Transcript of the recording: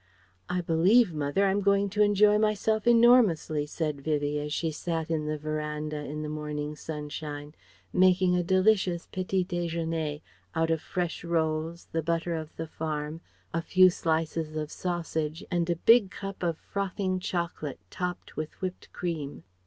"I believe, mother, I'm going to enjoy myself enormously," said Vivie as she sat in the verandah in the morning sunshine, making a delicious petit déjeuner out of fresh rolls, the butter of the farm, a few slices of sausage, and a big cup of frothing chocolate topped with whipped cream.